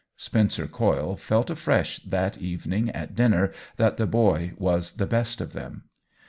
Spencer Coyle felt afresh that evening at dinner that the boy was the best of them.